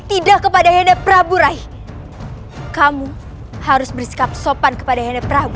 tidak kepada hedef prabu rai kamu harus bersikap sopan kepada hedef prabu